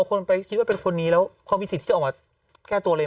คนไปคิดว่าเป็นคนนี้แล้วเขามีสิทธิ์จะออกมาแก้ตัวเลย